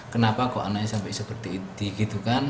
kenapa kok anaknya sampai seperti itu